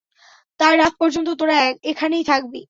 তার আগ পর্যন্ত তোরা এখানেই থাকবি?